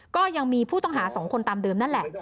ก็ยังมีผู้ต้องหา๒คนตามเดิมนั่นแหละ